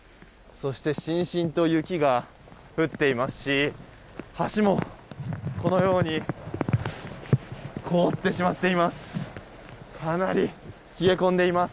そしてしんしんと雪が降っていますし橋も、このように凍ってしまっています。